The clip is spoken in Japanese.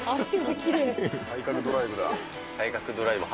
体格ドライブだ。